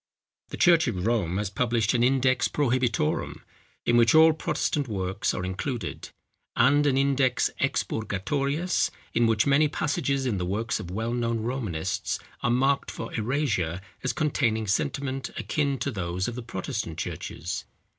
The church of Rome has published an Index Prohibitorum, in which all Protestant works are included; and an Index Expurgatorius, in which many passages in the works of well known Romanists are marked for erasure as containing sentiments akin to those of the Protestant churches.